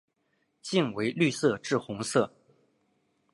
茎为绿色至红色。